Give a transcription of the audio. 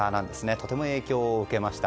とても影響を受けました。